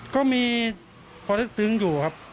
ก็มีพลักษณ์ศึกษ์ตึงอยู่ครับ